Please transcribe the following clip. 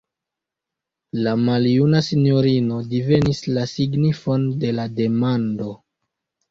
La maljuna sinjorino divenis la signifon de la demando.